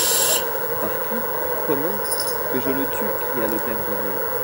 Par qui ? comment ? Que je le tue ! cria le père Goriot.